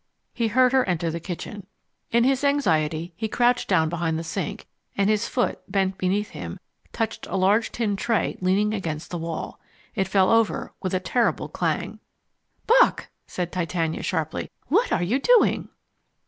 He heard her enter the kitchen. In his anxiety he crouched down beneath the sink, and his foot, bent beneath him, touched a large tin tray leaning against the wall. It fell over with a terrible clang. "Bock!" said Titania sharply, "what are you doing?"